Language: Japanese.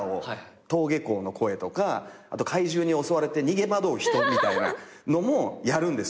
登下校の声とかあと怪獣に襲われて逃げ惑う人みたいなのもやるんですよ。